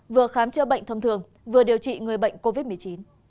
vừa khám chữa bệnh thông thường vừa điều trị người bệnh covid một mươi chín